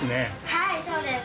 はいそうです。